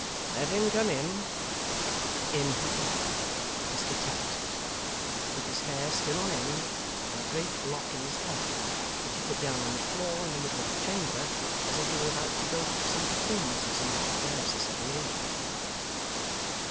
'Let him come in.' In he came Mr Tappertit; with his hair still on end, and a great lock in his hand, which he put down on the floor in the middle of the chamber as if he were about to go through some performances in which it was a necessary agent.